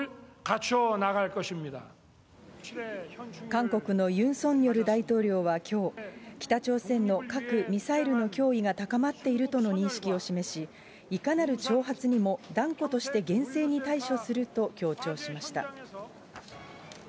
韓国のユン・ソンニョル大統領はきょう、北朝鮮の核・ミサイルの脅威が高まっているとの認識を示し、いかなる挑発にも断固として厳正に対処すると強調しました。